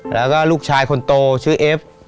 แล้วก็ลูกชายคนโตชื่อเอฟ